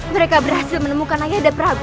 mereka berhasil menemukan ayahanda prabu